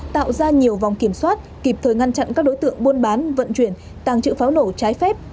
tạo ra nhiều vòng kiểm soát kịp thời ngăn chặn các đối tượng buôn bán vận chuyển tàng trữ pháo nổ trái phép